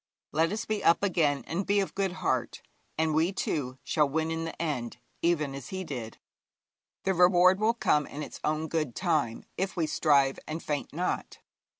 Let us be up again and be of good heart, and we, too, shall win in the end, even as he did. The reward will come in its own good time if we strive and faint not.